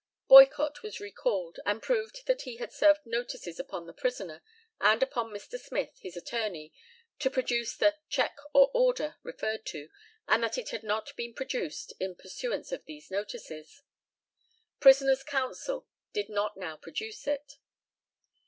BOYCOTT was recalled, and proved that he had served notices upon the prisoner, and upon Mr. Smith, his attorney, to produce the "cheque or order" referred to; and that it had not been produced in pursuance of those notices. Prisoner's counsel did not now produce it.